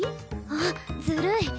あっずるい